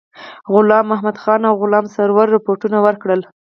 غلام محمدخان او غلام سرور رپوټونه ورکړل.